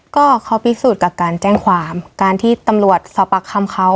ก็เขาพิสูจน์กับการแจ้งความการที่ตำรวจสอบปากคำเขา